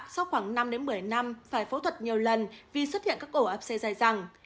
sau khoảng năm đến một mươi năm phải phẫu thuật nhiều lần vì xuất hiện các ổ áp xe dài dẳng